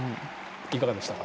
いかがでしたか？